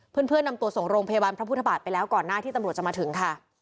เพื่อนนำตัวส่งโรงพยาบาลพระพุทธบาทไปแล้วก่อนหน้าที่ตำรวจจะมาถึงค่ะ